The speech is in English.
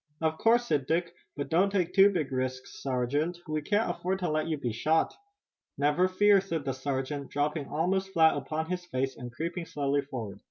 "Of course," said Dick, "but don't take too big risks, sergeant. We can't afford to let you be shot." "Never fear," said the sergeant, dropping almost flat upon his face, and creeping slowly forward.